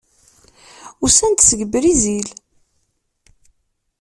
Usan-d seg Brizil.